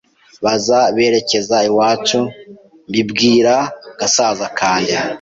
baza berekeza iwacu mbibwira gasaza kanjye